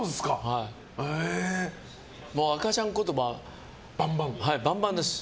赤ちゃん言葉バンバンです。